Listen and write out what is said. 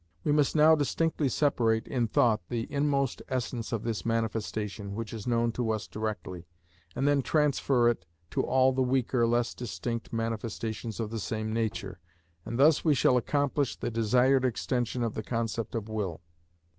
We must now distinctly separate in thought the inmost essence of this manifestation which is known to us directly, and then transfer it to all the weaker, less distinct manifestations of the same nature, and thus we shall accomplish the desired extension of the concept of will.